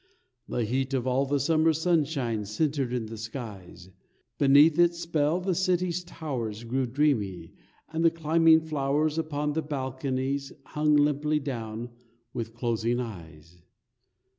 The heat of all the summer sunshine Centred in the skies, Beneath its spell the city's towers Grew dreamy, and the climbing flowers Upon the balconies hung limply Down, with closing eyes.